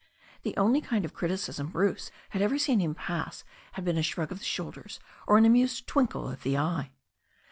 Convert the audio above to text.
The only kind of criticism Bruce had ever seen him pass had been a shrug of the shoulders or an amused twinkle of the eye.